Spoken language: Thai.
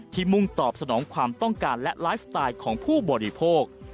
มุ่งตอบสนองความต้องการและไลฟ์สไตล์ของผู้บริโภค